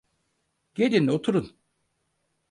Gelin, oturun.